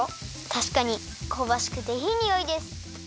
たしかにこうばしくていいにおいです！